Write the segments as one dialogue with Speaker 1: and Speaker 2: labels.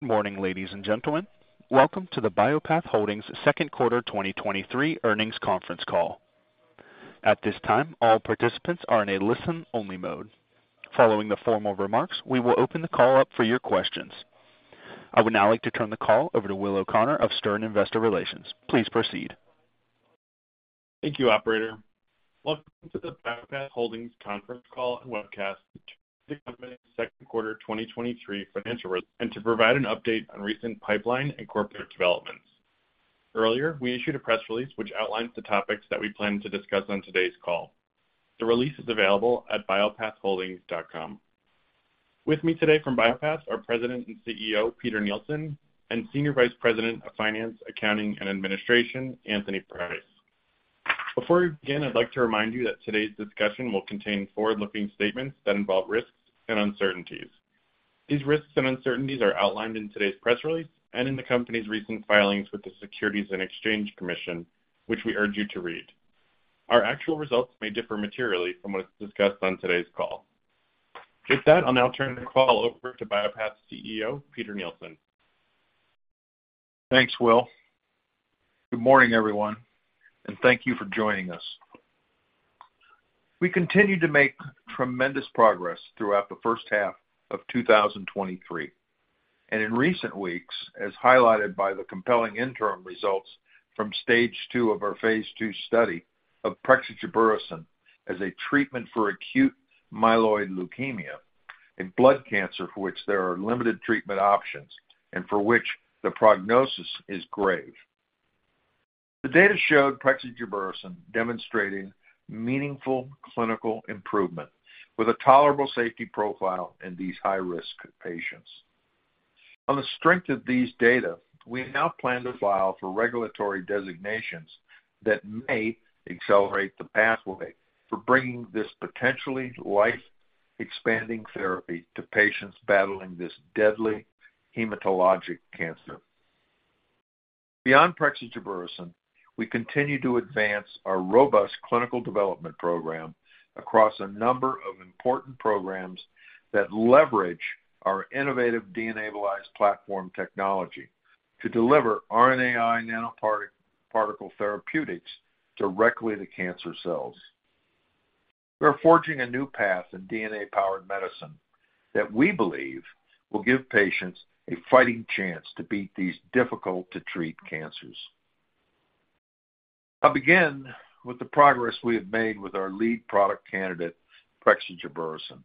Speaker 1: Good morning, ladies and gentlemen. Welcome to the Bio-Path Holdings Q2 2023 Earnings Conference Call. At this time, all participants are in a listen-only mode. Following the formal remarks, we will open the call up for your questions. I would now like to turn the call over to Will O'Connor of Stern Investor Relations. Please proceed.
Speaker 2: Thank you, operator. Welcome to the Bio-Path Holdings conference call and webcast, the company's Q2 2023 financial results, and to provide an update on recent pipeline and corporate developments. Earlier, we issued a press release, which outlines the topics that we plan to discuss on today's call. The release is available at biopathholdings.com. With me today from Bio-Path are President and CEO, Peter Nielsen, and Senior Vice President of Finance, Accounting, and Administration, Anthony Price. Before we begin, I'd like to remind you that today's discussion will contain forward-looking statements that involve risks and uncertainties. These risks and uncertainties are outlined in today's press release and in the company's recent filings with the Securities and Exchange Commission, which we urge you to read. Our actual results may differ materially from what's discussed on today's call. With that, I'll now turn the call over to Bio-Path's CEO, Peter Nielsen.
Speaker 3: Thanks, Will. Good morning, everyone, and thank you for joining us. We continued to make tremendous progress throughout the H1 of 2023, and in recent weeks, as highlighted by the compelling interim results from stage 2 of our phase 2 study of prexigebersen as a treatment for acute myeloid leukemia, a blood cancer for which there are limited treatment options and for which the prognosis is grave. The data showed prexigebersen demonstrating meaningful clinical improvement with a tolerable safety profile in these high-risk patients. On the strength of these data, we now plan to file for regulatory designations that may accelerate the pathway for bringing this potentially life-expanding therapy to patients battling this deadly hematologic cancer. Beyond prexigebersen, we continue to advance our robust clinical development program across a number of important programs that leverage our innovative DNAbilize platform technology to deliver RNAi nanoparticle therapeutics directly to cancer cells. We are forging a new path in DNA-powered medicine that we believe will give patients a fighting chance to beat these difficult-to-treat cancers. I'll begin with the progress we have made with our lead product candidate, prexigebersen.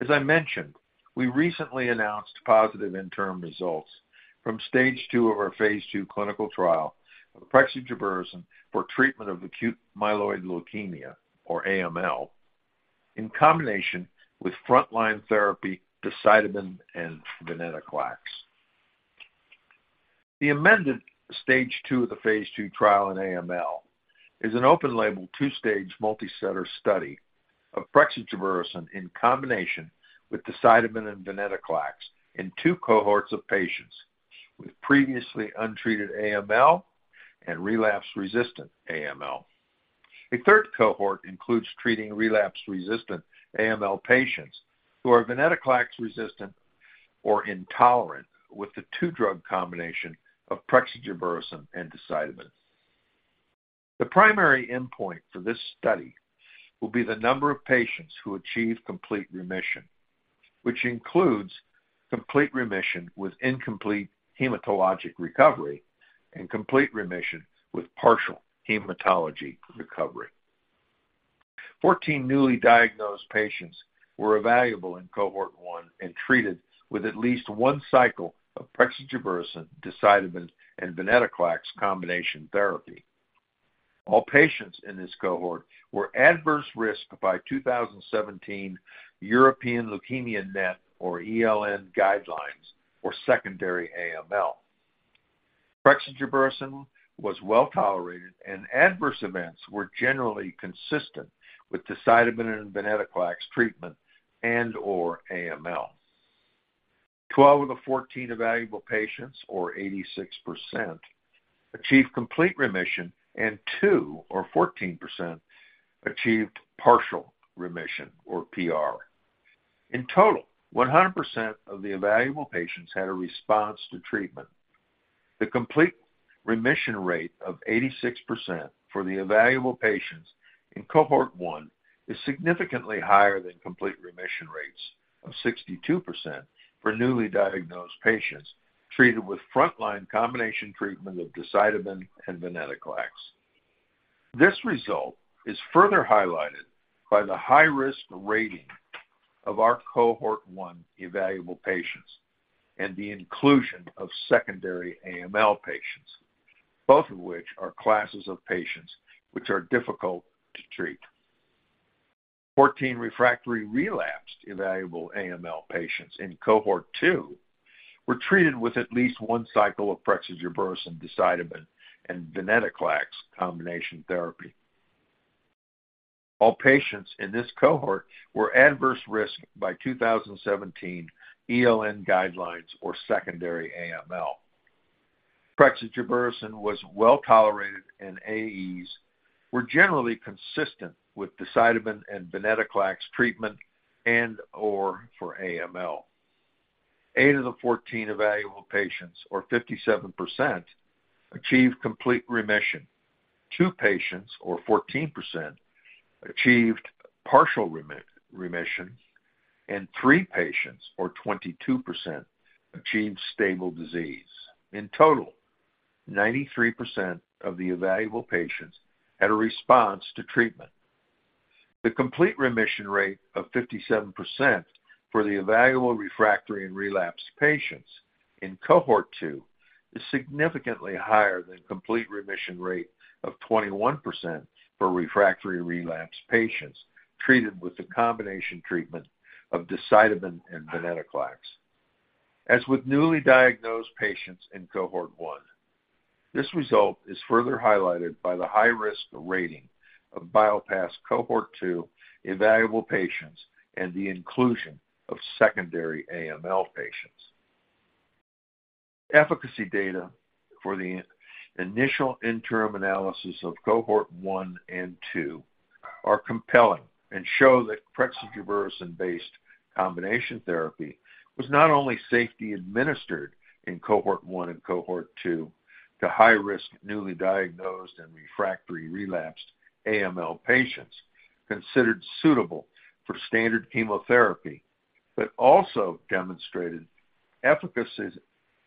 Speaker 3: As I mentioned, we recently announced positive interim results from stage 2 of our phase 2 clinical trial of prexigebersen for treatment of acute myeloid leukemia, or AML, in combination with frontline therapy, decitabine and venetoclax. The amended stage 2 of the phase 2 trial in AML is an open-label, 2-stage, multicenter study of prexigebersen in combination with decitabine and venetoclax in 2 cohorts of patients with previously untreated AML and relapse-resistant AML. A 2-drug combination of prexigebersen and decitabine. The primary endpoint for this study will be the number of patients who achieve complete remission, which includes complete remission with incomplete hematologic recovery and complete remission with partial hematologic recovery. 14 newly diagnosed patients were evaluable in cohort 1 and treated with at least 1 cycle of prexigebersen, decitabine, and venetoclax combination therapy. All patients in this cohort were at adverse risk by 2017 European LeukemiaNet, or ELN, guidelines for secondary AML. Prexigebersen was well tolerated, and adverse events were generally consistent with decitabine and venetoclax treatment and/or AML. 12 of the 14 evaluable patients, or 86%, achieved complete remission, and 2, or 14%, achieved partial remission or PR. In total, 100% of the evaluable patients had a response to treatment. The complete remission rate of 86% for the evaluable patients in cohort 1 is significantly higher than complete remission rates of 62% for newly diagnosed patients treated with frontline combination treatment of decitabine and venetoclax. This result is further highlighted by the high-risk rating of our cohort 1 evaluable patients and the inclusion of secondary AML patients, both of which are classes of patients which are difficult to treat. 14 refractory relapsed evaluable AML patients in cohort 2 were treated with at least one cycle of prexigebersen, decitabine, and venetoclax combination therapy. All patients in this cohort were adverse risk by 2017 ELN guidelines or secondary AML. Prexigebersen was well-tolerated, AEs were generally consistent with decitabine and venetoclax treatment and or for AML. 8 of the 14 evaluable patients, or 57%, achieved complete remission. 2 patients, or 14%, achieved partial remission, and 3 patients, or 22%, achieved stable disease. In total, 93% of the evaluable patients had a response to treatment. The complete remission rate of 57% for the evaluable refractory and relapsed patients in cohort 2, is significantly higher than complete remission rate of 21% for refractory relapsed patients treated with the combination treatment of decitabine and venetoclax. As with newly diagnosed patients in cohort 1, this result is further highlighted by the high-risk rating of Bio-Path's cohort 2 evaluable patients and the inclusion of secondary AML patients. Efficacy data for the initial interim analysis of cohort 1 and 2 are compelling and show that prexigebersen-based combination therapy was not only safety administered in cohort 1 and cohort 2 to high-risk, newly diagnosed and refractory relapsed AML patients, considered suitable for standard chemotherapy, but also demonstrated efficacy,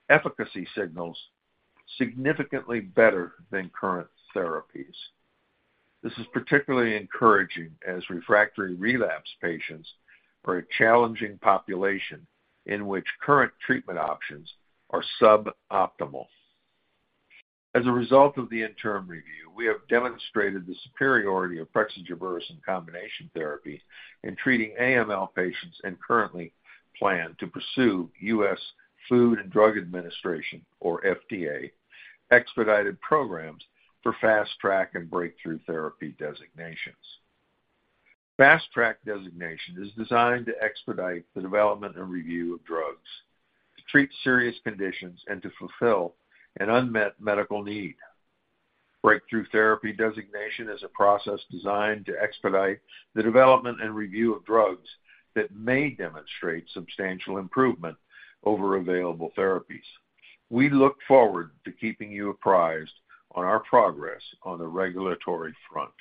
Speaker 3: efficacy signals significantly better than current therapies. This is particularly encouraging as refractory relapse patients are a challenging population in which current treatment options are suboptimal. As a result of the interim review, we have demonstrated the superiority of prexigebersen combination therapy in treating AML patients and currently plan to pursue U.S. Food and Drug Administration, or FDA, expedited programs for Fast Track and Breakthrough Therapy designations. Fast Track designation is designed to expedite the development and review of drugs, to treat serious conditions and to fulfill an unmet medical need. Breakthrough Therapy designation is a process designed to expedite the development and review of drugs that may demonstrate substantial improvement over available therapies. We look forward to keeping you apprised on our progress on the regulatory front.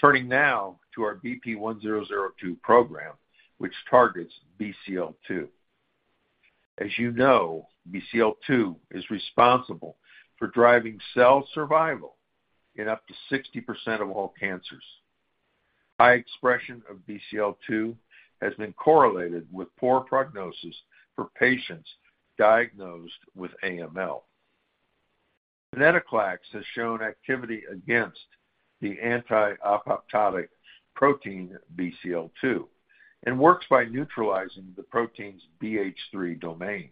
Speaker 3: Turning now to our BP1002 program, which targets BCL-2. As you know, BCL-2 is responsible for driving cell survival in up to 60% of all cancers. High expression of BCL-2 has been correlated with poor prognosis for patients diagnosed with AML. venetoclax has shown activity against the anti-apoptotic protein BCL-2 and works by neutralizing the protein's BH3 domain.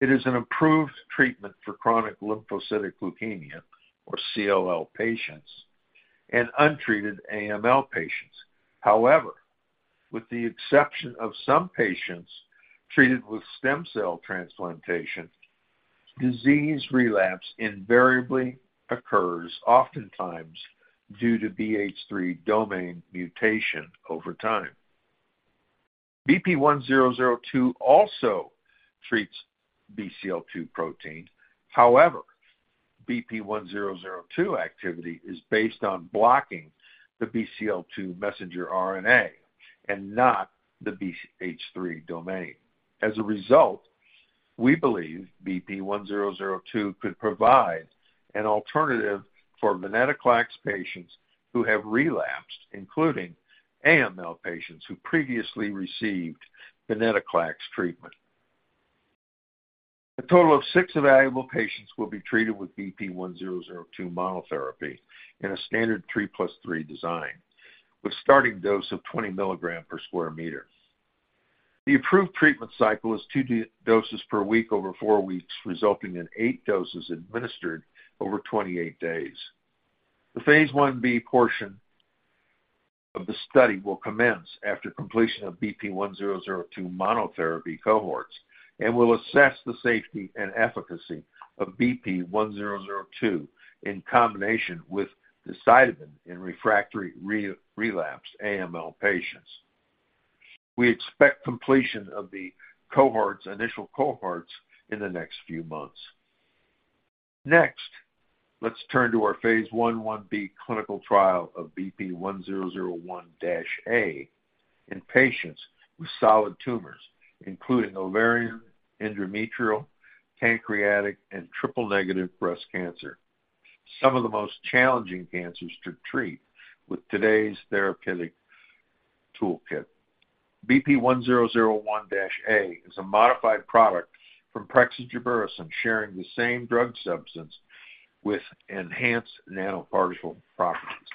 Speaker 3: It is an approved treatment for chronic lymphocytic leukemia, or CLL patients, and untreated AML patients. However, with the exception of some patients treated with stem cell transplantation, disease relapse invariably occurs, oftentimes due to BH3 domain mutation over time. BP1002 also treats BCL-2 proteins. However, BP1002 activity is based on blocking the BCL-2 messenger RNA and not the BH3 domain. As a result, we believe BP1002 could provide an alternative for venetoclax patients who have relapsed, including AML patients who previously received venetoclax treatment. A total of six evaluable patients will be treated with BP1002 monotherapy in a standard 3+3 design, with starting dose of 20 milligram per square meter. The approved treatment cycle is two doses per week over four weeks, resulting in eight doses administered over 28 days. The phase 1b portion of the study will commence after completion of BP1002 monotherapy cohorts and will assess the safety and efficacy of BP1002 in combination with decitabine in refractory relapsed AML patients. We expect completion of the cohorts, initial cohorts in the next few months. Next, let's turn to our phase 1b clinical trial of BP1001-A in patients with solid tumors, including ovarian, endometrial, pancreatic, and triple-negative breast cancer, some of the most challenging cancers to treat with today's therapeutic toolkit. BP1001-A is a modified product from prexigebersen, sharing the same drug substance with enhanced nanoparticle properties.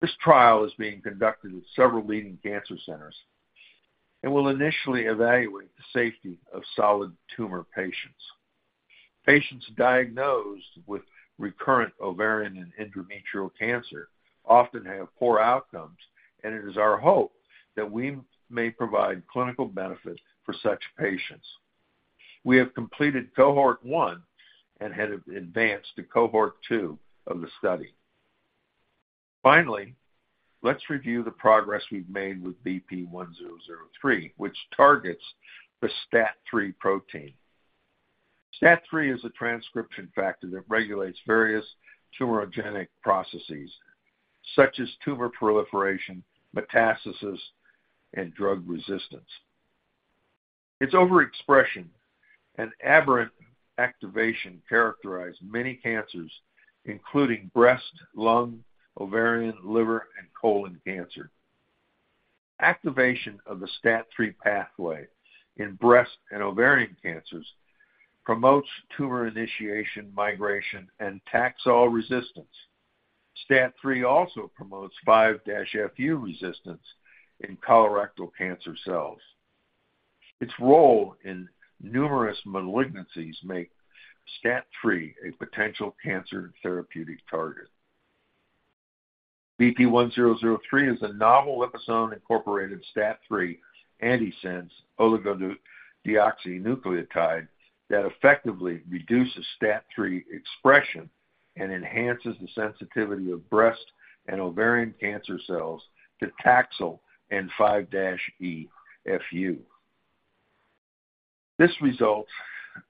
Speaker 3: This trial is being conducted at several leading cancer centers and will initially evaluate the safety of solid tumor patients. Patients diagnosed with recurrent ovarian and endometrial cancer often have poor outcomes, and it is our hope that we may provide clinical benefit for such patients. We have completed cohort 1 and have advanced to cohort 2 of the study. Finally, let's review the progress we've made with BP1003, which targets the STAT-3 protein. STAT-3 is a transcription factor that regulates various tumorigenic processes such as tumor proliferation, metastasis, and drug resistance. Its overexpression and aberrant activation characterize many cancers, including breast, lung, ovarian, liver, and colon cancer. Activation of the STAT-3 pathway in breast and ovarian cancers promotes tumor initiation, migration, and Taxol resistance. STAT-3 also promotes 5-FU resistance in colorectal cancer cells. Its role in numerous malignancies make STAT-3 a potential cancer therapeutic target. BP1003 is a novel liposome-incorporated STAT-3 antisense oligonucleotide that effectively reduces STAT-3 expression and enhances the sensitivity of breast and ovarian cancer cells to Taxol and 5-FU. This results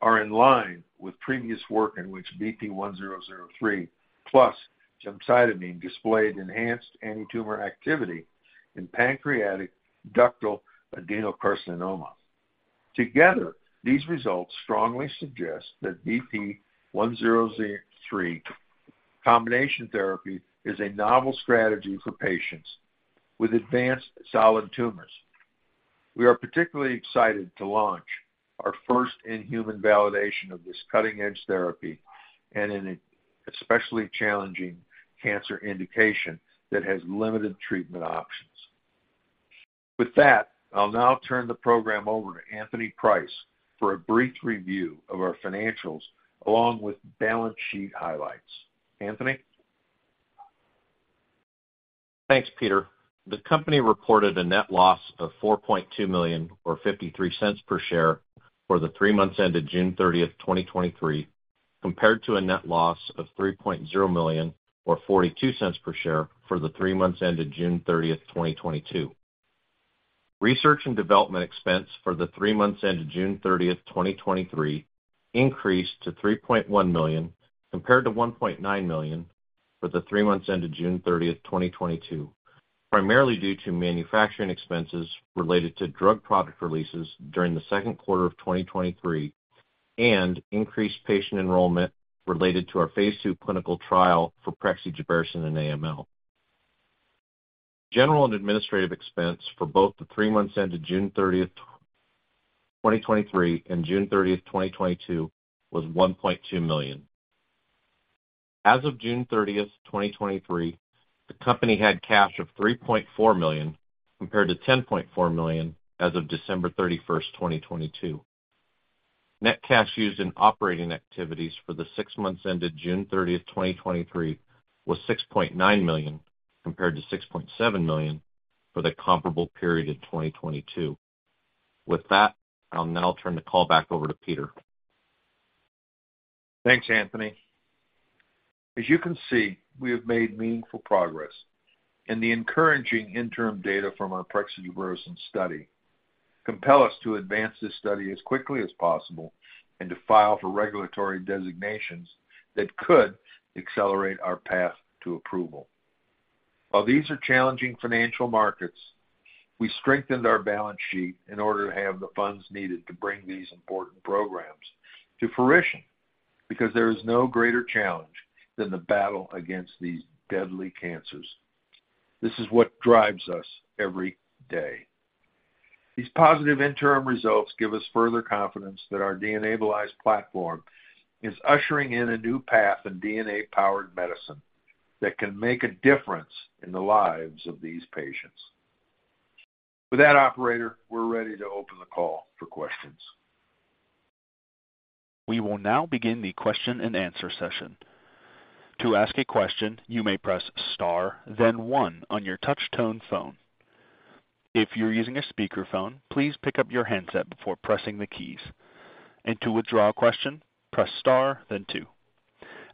Speaker 3: are in line with previous work in which BP1003 plus gemcitabine displayed enhanced antitumor activity in pancreatic ductal adenocarcinoma. Together, these results strongly suggest that BP1003 combination therapy is a novel strategy for patients with advanced solid tumors. We are particularly excited to launch our first in-human validation of this cutting-edge therapy and in an especially challenging cancer indication that has limited treatment options. With that, I'll now turn the program over to Anthony Price for a brief review of our financials, along with balance sheet highlights. Anthony?
Speaker 4: Thanks, Peter. The company reported a net loss of $4.2 million, or $0.53 per share, for the three months ended June 30, 2023, compared to a net loss of $3.0 million, or $0.42 per share, for the three months ended June 30, 2022. Research and development expense for the three months ended June 30, 2023, increased to $3.1 million compared to $1.9 million for the three months ended June 30, 2022, primarily due to manufacturing expenses related to drug product releases during the Q2 of 2023 and increased patient enrollment related to our phase 2 clinical trial for prexigebersen in AML. General and administrative expense for both the three months ended June 30, 2023 and June 30, 2022, was $1.2 million. As of June 30, 2023, the company had cash of $3.4 million, compared to $10.4 million as of December 31, 2022. Net cash used in operating activities for the six months ended June 30, 2023, was $6.9 million, compared to $6.7 million for the comparable period in 2022. With that, I'll now turn the call back over to Peter.
Speaker 3: Thanks, Anthony. As you can see, we have made meaningful progress, and the encouraging interim data from our prexigebersen study compel us to advance this study as quickly as possible and to file for regulatory designations that could accelerate our path to approval. While these are challenging financial markets, we strengthened our balance sheet in order to have the funds needed to bring these important programs to fruition, because there is no greater challenge than the battle against these deadly cancers. This is what drives us every day. These positive interim results give us further confidence that our DNAbilize platform is ushering in a new path in DNA-powered medicine that can make a difference in the lives of these patients. With that, operator, we're ready to open the call for questions.
Speaker 1: We will now begin the question-and-answer session. To ask a question, you may press star, then one on your touch tone phone. If you're using a speakerphone, please pick up your handset before pressing the keys, and to withdraw a question, press star, then two.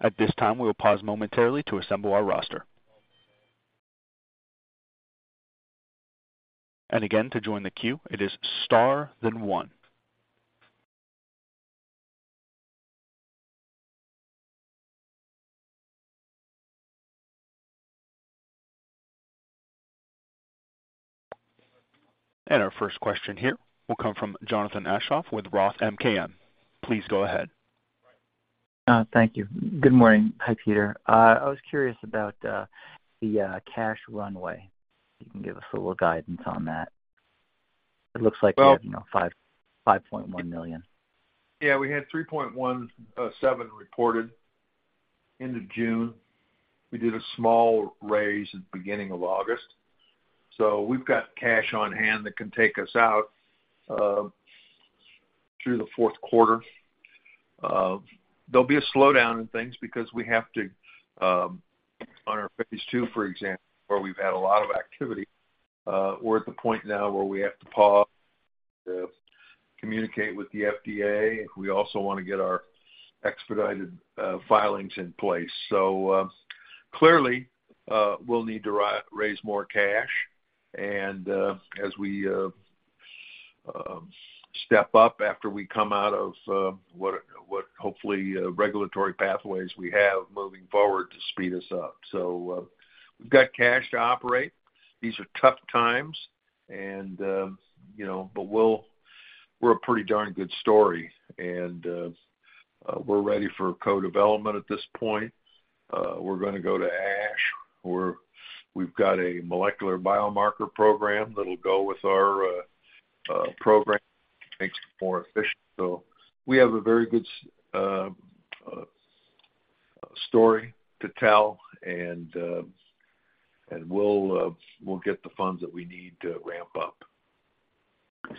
Speaker 1: At this time, we will pause momentarily to assemble our roster. Again, to join the queue, it is star, then one. Our first question here will come from Jonathan Aschoff with Roth MKM. Please go ahead.
Speaker 5: Thank you. Good morning. Hi, Peter. I was curious about the cash runway. You can give us a little guidance on that. It looks like-
Speaker 3: Well-
Speaker 5: you have, you know, five, $5.1 million.
Speaker 3: Yeah, we had $3.17 reported. end of June. We did a small raise at the beginning of August. We've got cash on hand that can take us out through the Q4. There'll be a slowdown in things because we have to, on our phase 2, for example, where we've had a lot of activity, we're at the point now where we have to pause to communicate with the FDA. We also wanna get our expedited filings in place. Clearly, we'll need to raise more cash, and as we step up after we come out of what, what hopefully, regulatory pathways we have moving forward to speed us up. We've got cash to operate. These are tough times and, you know, but we're a pretty darn good story, and we're ready for co-development at this point. We're gonna go to ASH, where we've got a molecular biomarker program that'll go with our program, makes it more efficient. We have a very good story to tell, and we'll get the funds that we need to ramp up.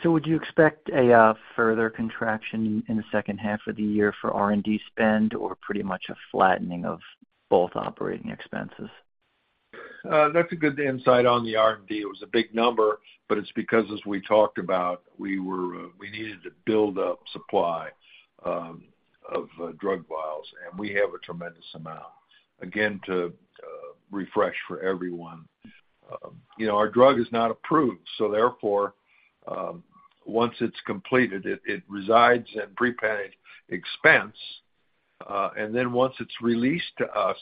Speaker 6: Would you expect a further contraction in the H2 of the year for R&D spend, or pretty much a flattening of both operating expenses?
Speaker 3: That's a good insight on the R&D. It was a big number, but it's because, as we talked about, we were, we needed to build up supply of drug vials, and we have a tremendous amount. Again, to refresh for everyone, you know, our drug is not approved, so therefore, once it's completed, it, it resides in prepaid expense. Then once it's released to us,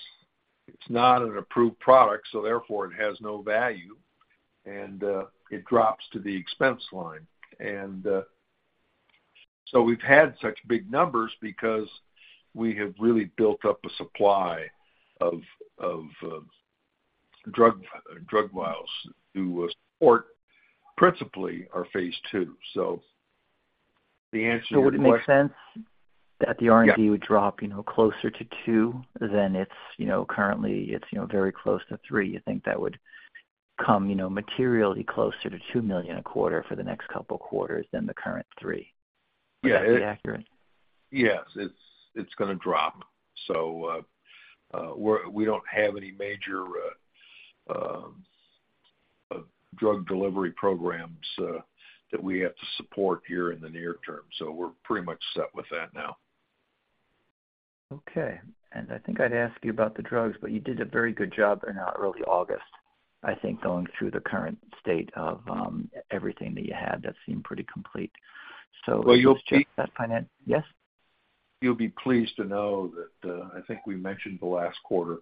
Speaker 3: it's not an approved product, so therefore it has no value, it drops to the expense line. We've had such big numbers because we have really built up a supply of, of drug, drug vials to support principally our phase 2. The answer to your question-
Speaker 6: would it make sense that the R&D-.
Speaker 3: Yeah
Speaker 6: -would drop, you know, closer to $2 million than it's, you know, currently it's, you know, very close to $3 million. You think that would come, you know, materially closer to $2 million a quarter for the next couple quarters than the current $3 million?
Speaker 3: Yeah.
Speaker 6: Is that accurate?
Speaker 3: Yes. It's, it's gonna drop. We don't have any major drug delivery programs that we have to support here in the near term, so we're pretty much set with that now.
Speaker 6: Okay. I think I'd ask you about the drugs, but you did a very good job in early August, I think, going through the current state of everything that you had. That seemed pretty complete.
Speaker 3: Well.
Speaker 6: Yes?
Speaker 3: You'll be pleased to know that, I think we mentioned the last quarter,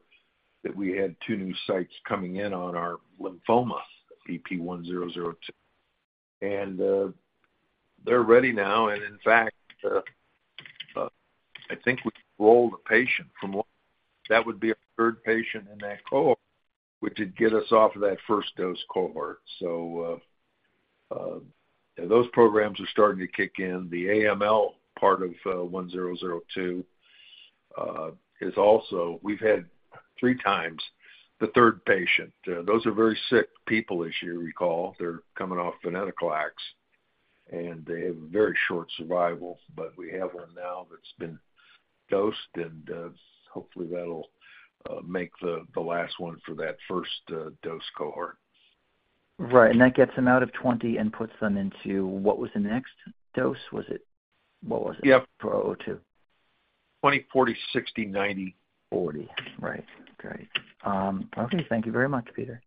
Speaker 3: that we had two new sites coming in on our lymphoma, BP1002. They're ready now, and in fact, I think we enrolled a patient that would be our third patient in that cohort, which would get us off of that first dose cohort. Those programs are starting to kick in. The AML part of, BP1002, is also. We've had three times the third patient. Those are very sick people, as you recall. They're coming off venetoclax, and they have a very short survival, but we have one now that's been dosed, and hopefully that'll make the, the last one for that first, dose cohort.
Speaker 6: Right. That gets them out of 20 and puts them into, what was the next dose? What was it?
Speaker 3: Yep.
Speaker 6: 402.
Speaker 3: 20, 40, 60, 90.
Speaker 7: 40. Right. Okay. Okay. Thank you very much, Peter.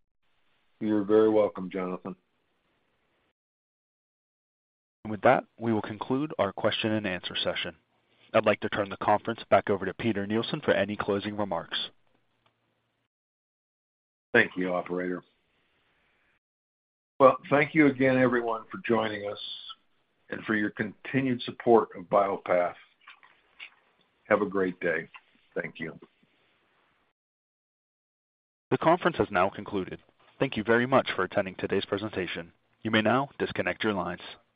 Speaker 3: You're very welcome, Jonathan.
Speaker 1: With that, we will conclude our question and answer session. I'd like to turn the conference back over to Peter Nielsen for any closing remarks.
Speaker 3: Thank you, operator. Well, thank you again, everyone, for joining us and for your continued support of Bio-Path. Have a great day. Thank you.
Speaker 1: The conference has now concluded. Thank you very much for attending today's presentation. You may now disconnect your lines.